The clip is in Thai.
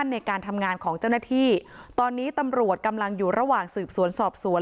ในการทำงานของเจ้าหน้าที่ตอนนี้ตำรวจกำลังอยู่ระหว่างสืบสวนสอบสวน